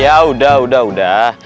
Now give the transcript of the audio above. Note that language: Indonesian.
yaudah udah udah